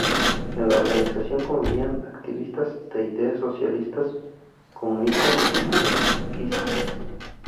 En la organización convivían activistas de ideas socialistas, comunistas y trotskistas.